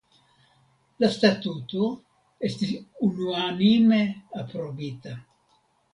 La statuto estis unuanime aprobita.